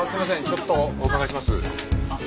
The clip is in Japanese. ちょっとお伺いします。